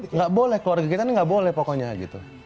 nggak boleh keluarga kita ini nggak boleh pokoknya gitu